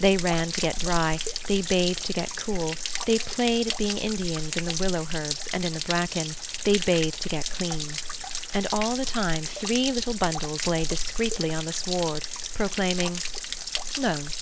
They ran to get dry, they bathed to get cool, they played at being Indians in the willow herbs and in the bracken, they bathed to get clean. And all the time three little bundles lay discreetly on the sward, proclaiming: "No.